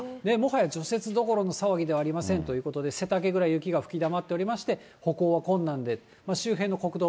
もはや除雪どころの騒ぎではありませんということで、背丈ぐらい雪が吹きだまっておりまして、歩行は困難です。